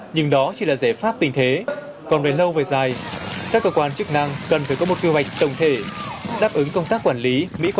nhưng đó chỉ là giải pháp tình thế còn về lâu về dài các cơ quan chức năng cần phải có một kế hoạch tổng thể đáp ứng công tác quản lý